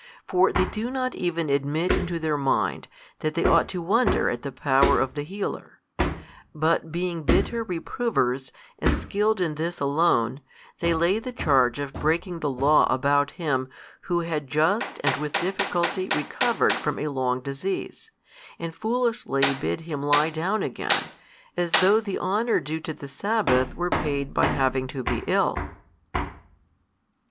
For they do not even admit into their mind that they ought to wonder at the Power of the Healer: but being bitter reprovers, and skilled in this alone, they lay the charge of breaking the law about him who had just and with difficulty recovered from a long disease, and foolishly bid him lie down again, as though the honour due to the Sabbath were paid by having to be ill.